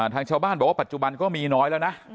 ทางชาวบ้านบอกว่าปัจจุบันก็มีน้อยแล้วนะ